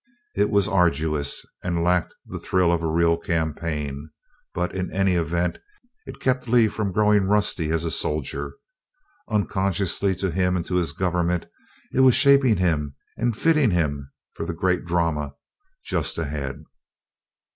It was arduous and lacked the thrill of a real campaign, but in any event, it kept Lee from growing rusty as a soldier. Unconsciously to him and to his Government, it was shaping him and fitting him for the great drama just ahead.